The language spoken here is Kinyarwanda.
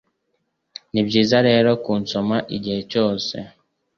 ni byiza rero kunsoma igihe cyose